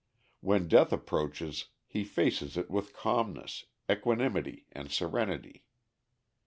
When death approaches he faces it with calmness, equanimity and serenity.